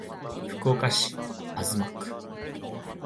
福岡市東区